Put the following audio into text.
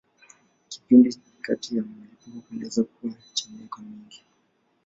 Kipindi kati ya milipuko kinaweza kuwa cha miaka mingi.